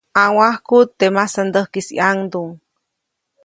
ʼNawajkuʼt teʼ masandäjkis ʼyaŋduŋ.